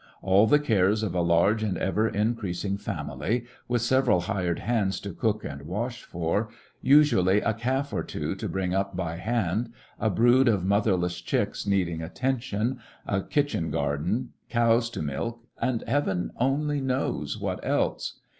All the cares of a large and ever increasing family, with several hired hands to cook and wash for, usu ally a calf or two to bring up by hand, a brood of motherless chicks needing attention, a kitchen garden, cows to milk, and Heaven only knows what eke!